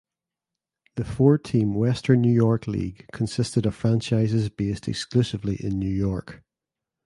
The four–team Western New York League consisted of franchises based exclusively in New York.